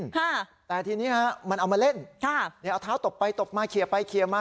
ค่ะแต่ทีนี้ฮะมันเอามาเล่นค่ะเนี่ยเอาเท้าตบไปตบมาเคลียร์ไปเคลียร์มา